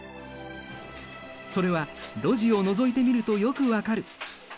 それは路地をのぞいてみるとよく分かる。